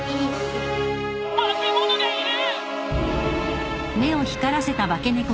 化け物がいる！！